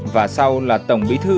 và sau là tổng bí thư